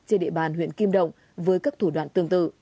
trên địa bàn huyện kim động với các thủ đoạn tương tự